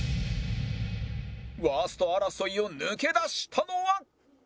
ワースト争いを抜け出したのは